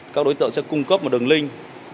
các đối tượng sẽ cung cấp một đường link